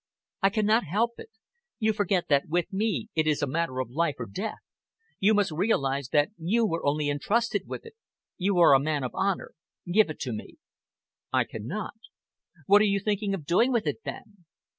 "I cannot help it. You forget that with me it is a matter of life or death. You must realise that you were only entrusted with it. You are a man of honour. Give it to me." "I cannot." "What are you thinking of doing with it, then?"